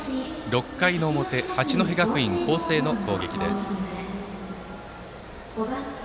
６回表、八戸学院光星の攻撃です。